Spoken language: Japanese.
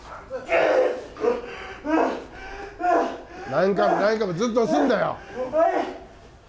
何回も、何回もずっと押すんだよ。